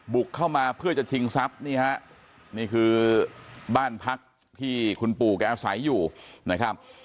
บุกเข้ามาเพื่อจะชิงทรัพย์นี่ฮะนี่คือบ้านพักที่คุณปู่แกอาศัยอยู่นะครับ